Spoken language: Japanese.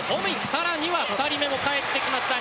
さらには、２人目も帰ってきました。